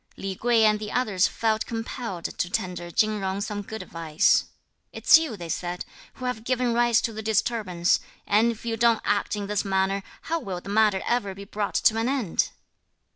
Li Kuei and the others felt compelled to tender Chin Jung some good advice: "It's you," they said, "who have given rise to the disturbance, and if you don't act in this manner, how will the matter ever be brought to an end?"